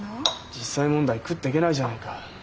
実際問題食っていけないじゃないか。